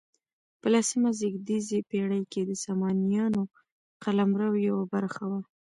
په لسمه زېږدیزې پیړۍ کې د سامانیانو قلمرو یوه برخه وه.